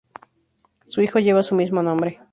Su hijo lleva su mismo nombre.